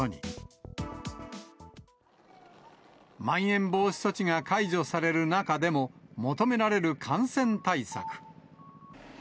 まん延防止措置が解除される中でも求められる感染対策。